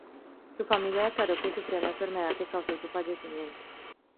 Su familia declaró que sufría una enfermedad que causó su fallecimiento.